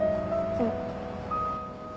うん。